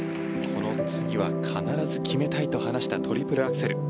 この次は必ず決めたいと話したトリプルアクセル。